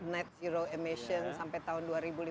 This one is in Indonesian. net zero emission sampai tahun dua ribu lima belas